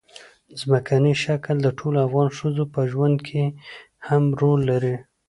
ځمکنی شکل د ټولو افغان ښځو په ژوند کې هم رول لري.